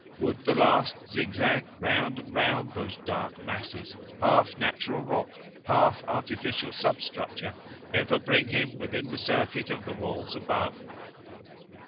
Would the last zigzag, round and round those dark masses, half natural rock, half artificial substructure, ever bring him within the circuit of the walls above?